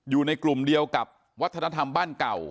อยู่ในกลุ่มเดียวกับวัฒนธรรมบ้านเก่า